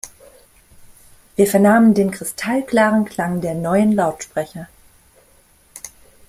Wir vernahmen den kristallklaren Klang der neuen Lautsprecher.